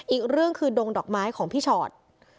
อีกเรื่องคือดงดอกไม้ของพี่ชอต